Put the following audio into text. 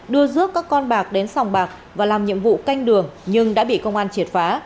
đưa rước các con bạc đến sòng bạc và làm nhiệm vụ canh đường nhưng đã bị công an triệt phá